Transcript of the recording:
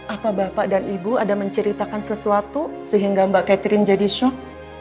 apa bapak dan ibu ada menceritakan sesuatu sehingga mbak catherine jadi shock